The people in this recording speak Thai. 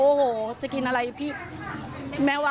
โอ้โฮจะกินอะไรพี่